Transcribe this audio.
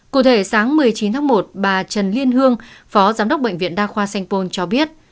cụ thể sáng một mươi chín tháng một bà trần liên hương phó giám đốc bệnh viện đa khoa sanh pôn cho biết